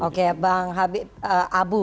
oke bang habib abu